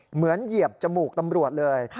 เหยียบจมูกตำรวจเลย